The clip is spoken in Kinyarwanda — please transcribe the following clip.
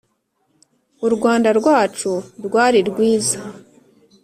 U Rwanda rwacu rwari rwiza